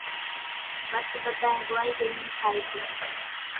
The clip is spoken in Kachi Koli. ڀت ٻڌانئين ڀونئين ٻيۿين کائي سي۔